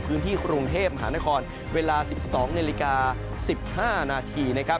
พื้นที่กรุงเทพมหานครเวลา๑๒นาฬิกา๑๕นาทีนะครับ